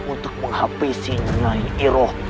untuk menghabisi nyai iroh